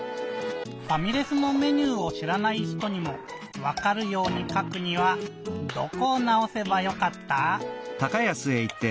ファミレスのメニューをしらない人にもわかるようにかくにはどこをなおせばよかった？